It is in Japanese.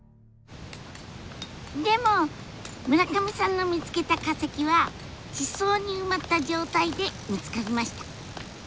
でも村上さんの見つけた化石は地層に埋まった状態で見つかりました。